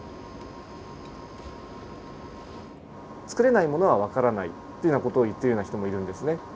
つくれないものはわからないっていうような事を言っているような人もいるんですね。